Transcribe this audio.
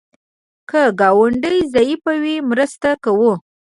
که ګاونډی ضعیف وي، مرسته کوه